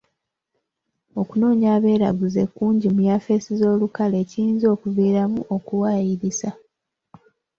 Okunoonya abeeraguze kungi mu yafeesi z'olukale ekiyinza okuviiramu okuwayiriza.